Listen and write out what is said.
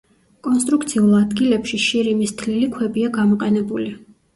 კონსტრუქციულ ადგილებში შირიმის თლილი ქვებია გამოყენებული.